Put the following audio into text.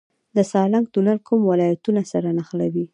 د سالنګ تونل کوم ولایتونه سره نښلوي؟